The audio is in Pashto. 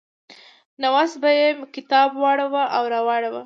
له نه وسه به مې کتاب واړاوه او راواړاوه.